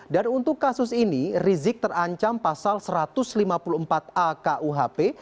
dan untuk kasus ini rizik terancam pasal satu ratus lima puluh empat a kuhp